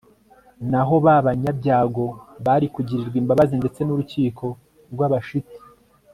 naho ba banyabyago bari kugirirwa imbabazi ndetse n'urukiko rw'abashiti